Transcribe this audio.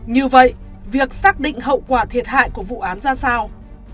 như vậy việc xác định hậu quả thiệt hại của vụ án ra sao